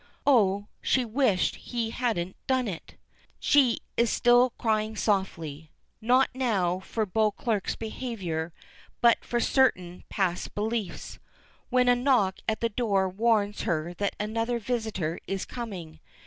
Oh! she wished he hadn't done it! She is still crying softly not now for Beauclerk's behavior, but for certain past beliefs when a knock at the door warns her that another visitor is coming.